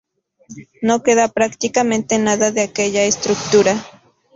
No queda prácticamente nada de aquella estructura.